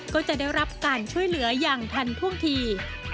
ก็จะได้รับการช่วยเหลืออย่างทันท่วงที